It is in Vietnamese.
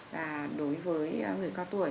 và đối với người cao tuổi